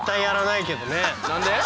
何で？